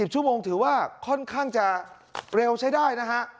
ชั่วโมงถือว่าค่อนข้างจะเร็วใช้ได้นะฮะ